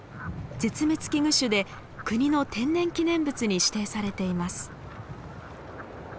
絶滅危惧種で国の天然記念物に指定されています。